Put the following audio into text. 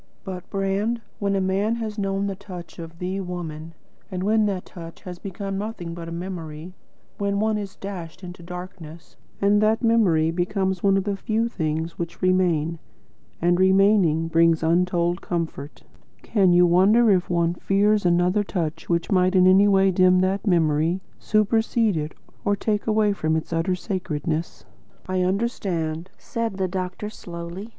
But, Brand, when a man has known the touch of THE Woman, and when that touch has become nothing but a memory; when one is dashed into darkness, and that memory becomes one of the few things which remain, and, remaining, brings untold comfort, can you wonder if one fears another touch which might in any way dim that memory, supersede it, or take away from its utter sacredness?" "I understand," said the doctor slowly.